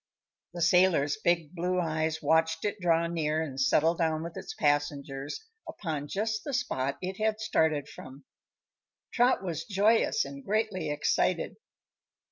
The sailor's big blue eyes watched it draw near and settle down with its passengers upon just the spot it had started from. Trot was joyous and greatly excited.